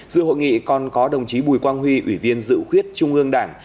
giữa hội nghị còn có đồng chí bùi quang huy ủy viên dự khuyết trung gương đảng